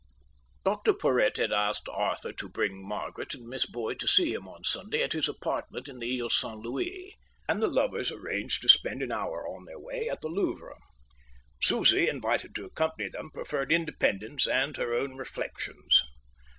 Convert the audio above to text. Chapter V Dr Porhoët had asked Arthur to bring Margaret and Miss Boyd to see him on Sunday at his apartment in the Île Saint Louis; and the lovers arranged to spend an hour on their way at the Louvre. Susie, invited to accompany them, preferred independence and her own reflections.